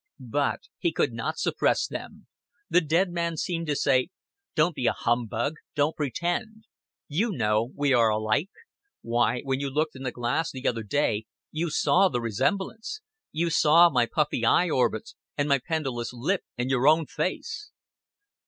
But he could not suppress them. The dead man seemed to say, "Don't be a humbug, don't pretend. You know we are alike. Why, when you looked in the glass the other day, you saw the resemblance. You saw my puffy eye orbits and my pendulous lip in your own face."